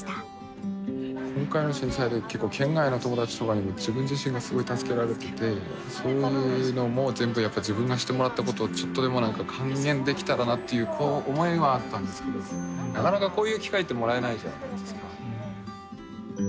今回の震災で結構県外の友達とかに自分自身がすごい助けられててそういうのも全部やっぱ自分がしてもらったことをちょっとでもなんか還元できたらなっていうこう思いはあったんですけどなかなかこういう機会ってもらえないじゃないですか。